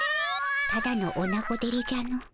ただのおなごデレじゃの。